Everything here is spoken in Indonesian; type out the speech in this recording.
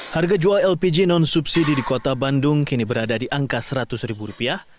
harga jual lpg non subsidi di kota bandung kini berada di angka seratus ribu rupiah